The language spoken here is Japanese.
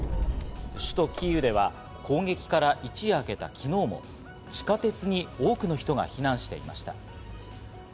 首都キーウでは攻撃から一夜明けた昨日も地下鉄に多くの人が避難していました。